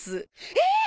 えっ！